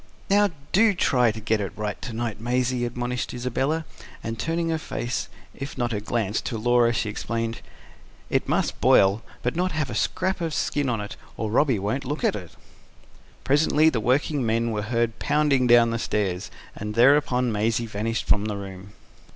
"Now do try to get it right to night, Maisie," admonished Isabella; and, turning her face, if not her glance, to Laura, she explained: "It must boil, but not have a scrap of skin on it, or Robby won't look at it." Presently the working men were heard pounding down the stairs, and thereupon Maisie vanished from the room.